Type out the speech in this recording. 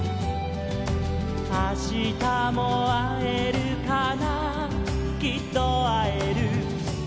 「あしたもあえるかなきっとあえる」